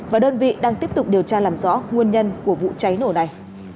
và đơn vị đang tiếp tục điều tra làm rõ nguyên nhân của vụ cháy nổ này